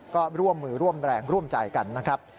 ก็ร่วมมือร่วมแรงร่วมใจกันนะครับ